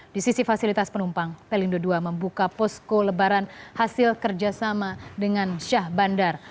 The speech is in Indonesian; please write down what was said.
di sisi fasilitas penumpang pelindo ii membuka posko lebaran hasil kerjasama dengan syah bandar